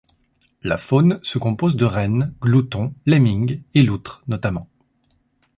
La faune se compose de rennes, gloutons, lemmings et loutres notamment.